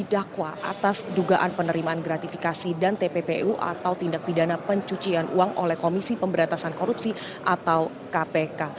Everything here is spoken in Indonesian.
dakwa atas dugaan penerimaan gratifikasi dan tppu atau tindak pidana pencucian uang oleh komisi pemberantasan korupsi atau kpk